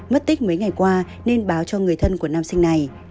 mất tích mấy ngày qua nên báo cho người thân của nam sinh này